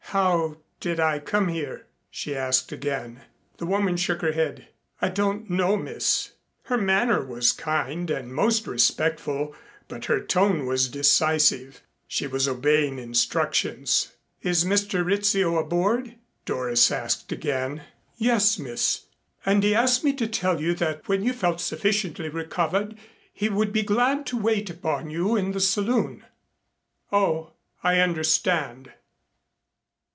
"How did I come here?" she asked again. The woman shook her head. "I don't know, miss." Her manner was kind and most respectful but her tone was decisive. She was obeying instructions. "Is Mr. Rizzio aboard?" Doris asked again. "Yes, miss. And he asked me to tell you that when you felt sufficiently recovered he would be glad to wait upon you in the saloon." "Oh, I understand."